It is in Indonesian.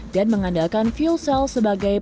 dan mengandalkan fuel cell sebagai